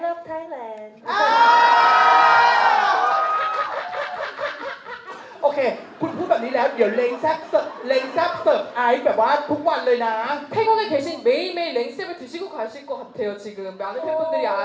โอเคคุณพูดแบบนี้แล้วหรือเร็งแซ่บเสิ่มอะไรแบบนี้กว่าถูกว่าเลยนะ